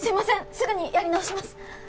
すぐにやり直します